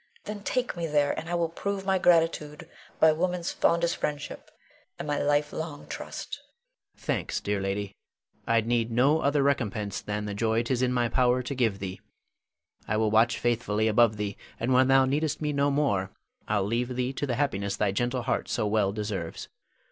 Then take me there, and I will prove my gratitude by woman's fondest friendship, and my life long trust. Adrian. Thanks, dear lady. I need no other recompense than the joy 'tis in my power to give thee. I will watch faithfully above thee, and when thou needest me no more, I'll leave thee to the happiness thy gentle heart so well deserves.